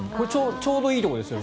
ちょうどいいところですよね